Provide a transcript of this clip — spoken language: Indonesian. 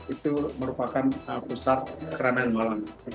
itu merupakan pusat keremen malam